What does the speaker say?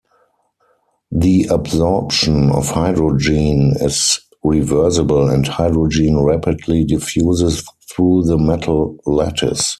The absorption of hydrogen is reversible, and hydrogen rapidly diffuses through the metal lattice.